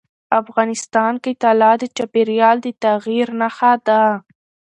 افغانستان کې طلا د چاپېریال د تغیر نښه ده.